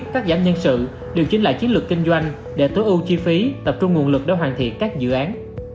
cắt giảm nhân sự điều chỉnh lại chiến lược kinh doanh để tối ưu chi phí tập trung nguồn lực để hoàn thiện các dự án